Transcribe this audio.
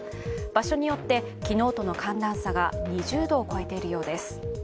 場所によって昨日との寒暖差が２０度を超えているようです。